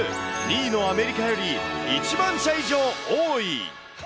２位のアメリカより１万社以上多い。